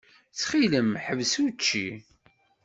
Ttxil-m, ḥbes učči.